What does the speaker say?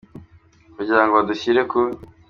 kugira ngo badushyire ku.